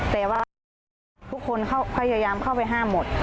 แต่ว่าทุกคนเขาพยายามเข้าไปห้ามหมด